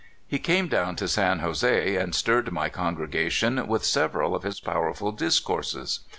He came down to San Jose and stirred my congregation with several of his powerful discourses.